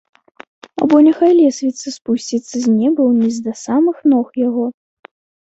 Або няхай лесвіца спусціцца з неба ўніз да самых ног яго.